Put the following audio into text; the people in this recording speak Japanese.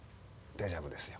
デジャブですよ。